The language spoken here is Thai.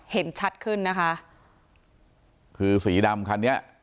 เห็นชัดขึ้นนะคะคือสีดำคันนี้